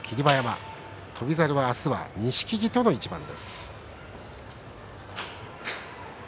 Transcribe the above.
翔猿は明日は錦木との一番です。